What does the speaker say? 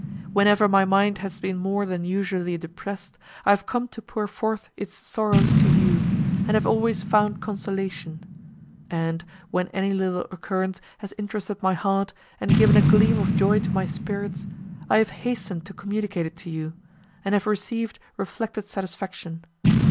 Whenever my mind has been more than usually depressed I have come to pour forth its sorrows to you, and have always found consolation; and, when any little occurrence has interested my heart, and given a gleam of joy to my spirits, I have hastened to communicate it to you, and have received reflected satisfaction.